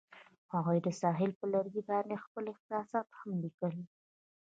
هغوی د ساحل پر لرګي باندې خپل احساسات هم لیکل.